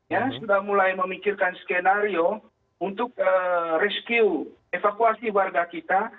ya sudah mulai memikirkan skenario untuk rescue evakuasi warga kita